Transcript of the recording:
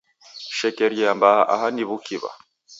Shekeria mbaa aha ni w'ukiw'a.